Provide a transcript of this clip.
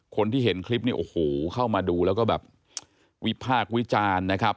คนที่เห็นคลิปนี้โอ้โหเข้ามาดูแล้วก็แบบวิพากษ์วิจารณ์นะครับ